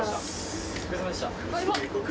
お疲れさまでした。